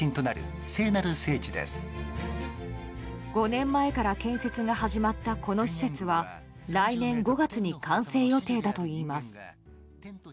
５年前から建設が始まったこの施設は来年５月に完成予定だといいます。